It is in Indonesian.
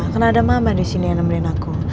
karena ada mama disini yang nemenin aku